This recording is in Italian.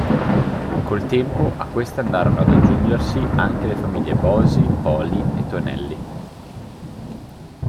Col tempo a queste andarono ad aggiungersi anche le famiglie Bosi, Poli e Tonelli.